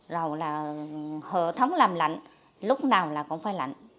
rồi là hệ thống làm lạnh lúc nào là cũng phải lạnh